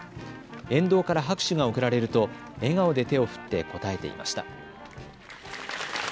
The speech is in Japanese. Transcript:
沿道から拍手が贈られると笑顔で手を振って応えていました。